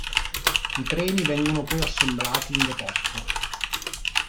I treni vengono poi assemblati in deposito.